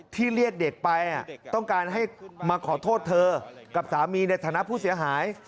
ที่เรียกเด็กไปต้องการให้มาขอโทษเธอกับสามีในฐานะผู้เสียหาย